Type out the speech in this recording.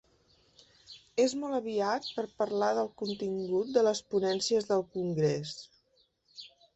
És molt aviat per parlar del contingut de les ponències del congrés.